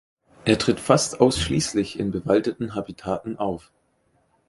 Er tritt fast ausschließlich in bewaldeten Habitaten auf.